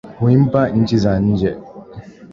Huimba nchi za nje